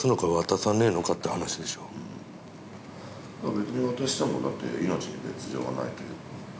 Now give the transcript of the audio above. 別に渡してもだって命に別状はないというか。